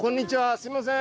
すいません。